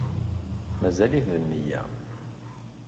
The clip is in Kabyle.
Mazal-it d nniya